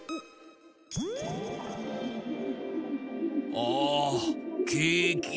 ああケーキ。